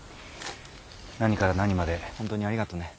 何から何まで本当にありがとうね。